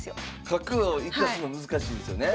角を行かすの難しいですよね。